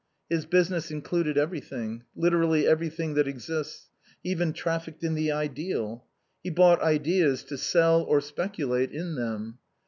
His business included every thing; literally, every thing that exists; he even trafficked in the idea. He bought ideas to sell or speculate in them.